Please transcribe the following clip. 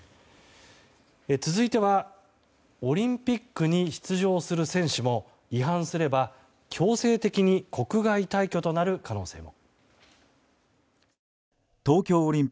続いてはオリンピックに出場する選手も違反すれば強制的に国外退去となる可能性も。